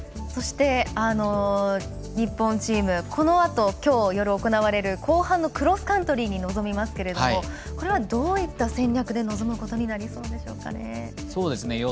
そして日本チームこのあときょう夜行われる後半のクロスカントリーに臨みますけどこれはどういった戦略で臨むことになりそうでしょうか。